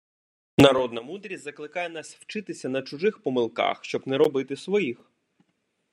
Народна мудрість закликає нас вчитися на чужих помилках, щоб не робити своїх